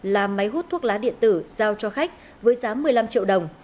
là máy hút thuốc lá điện tử giao cho khách với giá một mươi năm triệu đồng